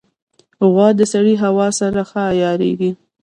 غوا د سړې هوا سره ښه عیارېږي.